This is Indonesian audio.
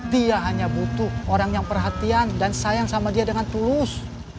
dia hanya butuh orang yang perhatian dan sayang sama dia dengan tulus